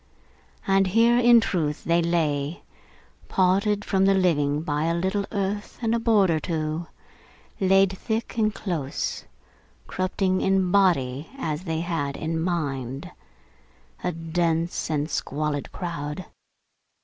And here, in truth, they lay, parted from the living by a little earth and a board or two lay thick and close corrupting in body as they had in mind a dense and squalid crowd.